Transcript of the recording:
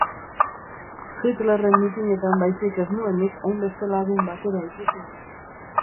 Hitlerren mitinetan baizik ez nuen nik hainbeste lagun batera ikusi.